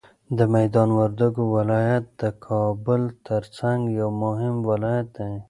د میدان وردګو ولایت د کابل تر څنګ یو مهم ولایت دی.